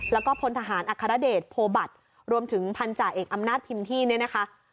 แล้วก็พลทหารอัครเดชโพบัตรรวมถึงพันธาเอกอำนาจพิมพ์ที่เนี่ยนะคะ